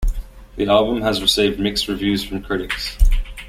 The album has received mixed reviews from critics.